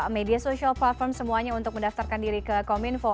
media sosial platform semuanya untuk mendaftarkan diri ke kominfo